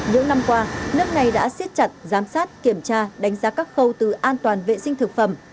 những năm qua nước này đã siết chặt giám sát kiểm tra đánh giá các khâu từ an toàn vệ sinh thực phẩm